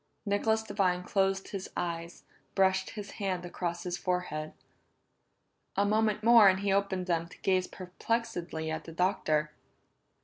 Nicholas Devine closed his eyes, brushed his hand across his forehead. A moment more and he opened them to gaze perplexedly at the Doctor.